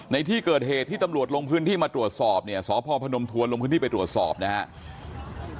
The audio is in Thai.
ในที่เกิดเหตุที่ตำรวจลงพื้นที่มาตรวจสอบเนี่ยสพพนมทวนลงพื้นที่ไปตรวจสอบนะครับ